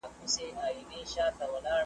کندهار ښایسته ولایت دی